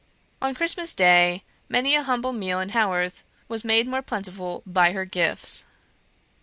On Christmas day many a humble meal in Haworth was made more plentiful by her gifts.